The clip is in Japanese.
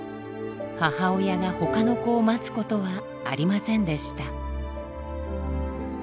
母親が他の子を待つことはありませんでした。